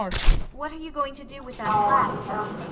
ASTA. What are you going to do with that flag?